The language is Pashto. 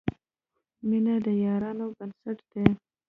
• مینه د یارانې بنسټ دی.